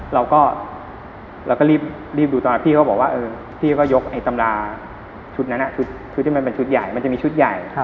เราก็รีบดูตอนแรกปีก็ยกตำราชุดนั้นมันจะมีชุดใหญ่